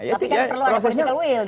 tapi kan perlu ada criminal will